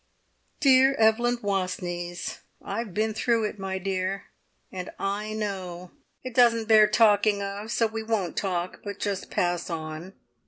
"Dear Evelyn Wastneys, I've been through it, my dear, and I know! It doesn't bear talking of, so we won't talk, but just pass on.